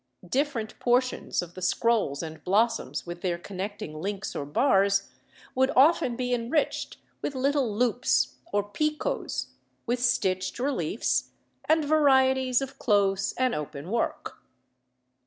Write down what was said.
Different portions of the scrolls and blossoms with their connecting links or bars would often be enriched with little loops or picots, with stitched reliefs, and varieties of close and open work.